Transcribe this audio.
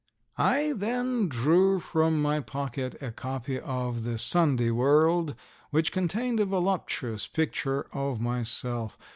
I then drew from my pocket a copy of the Sunday World, which contained a voluptuous picture of myself.